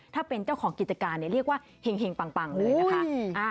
ถ้าเป็นเจ้าของกิจการเรียกว่าเห็งปังเลยนะคะ